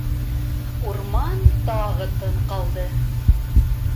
Урман тағы тын ҡалды.